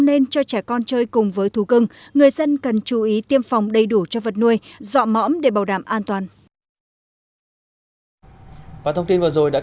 nên cho trẻ con chơi cùng với thú cưng người dân cần truyền thông báo cho bệnh viện tây mứ họng